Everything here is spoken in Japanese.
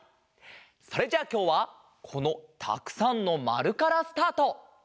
それじゃあきょうはこのたくさんのまるからスタート。